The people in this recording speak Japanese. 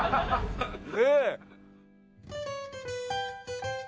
ねえ。